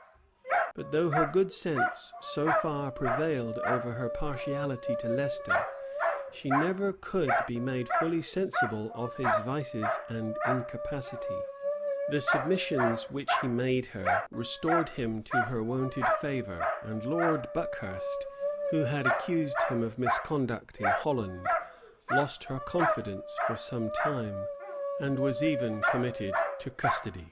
[] But though her good sense so far prevailed over her partiality to Leicester, she never could be made fully sensible of his vices and incapacity: the submissions which he made her restored him to her wonted favor; and Lord Buckhurst, who had accused him of misconduct in Holland, lost her confidence for some time, and was even committed to custody.